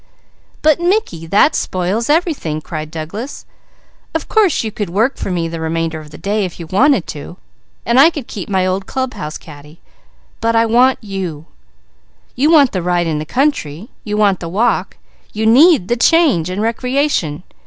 "But Mickey! That spoils everything!" cried Douglas. "Of course you could work for me the remainder of the day if you wanted to, and I could keep my old clubhouse caddy, but I want you. You want the ride in the country, you want the walk, you need the change and recreation.